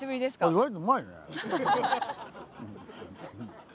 意外とうまいね。